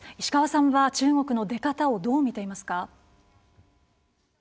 石川さんは中国の出方をどう見ていますか。